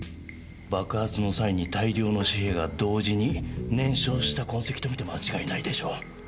爆発の際に大量の紙幣が同時に燃焼した痕跡と見て間違いないでしょう。